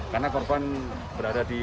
karena korban berada di